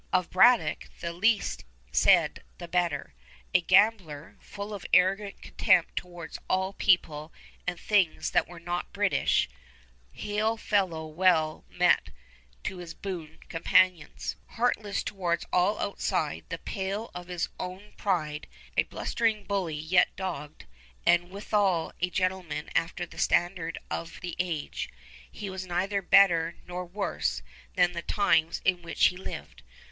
Of Braddock, the least said the better. A gambler, full of arrogant contempt towards all people and things that were not British, hail fellow well met to his boon companions, heartless towards all outside the pale of his own pride, a blustering bully yet dogged, and withal a gentleman after the standard of the age, he was neither better nor worse than the times in which he lived.